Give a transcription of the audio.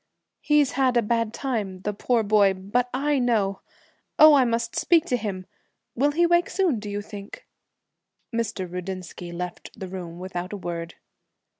He's had a bad time, the poor boy, but I know Oh, I must speak to him! Will he wake soon, do you think?' Mr. Rudinsky left the room without a word.